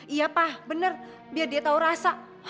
iya pak bener dia tahu rasa